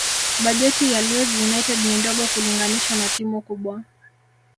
bajeti ya leeds united ni ndogo kulinganisha na timu kubwa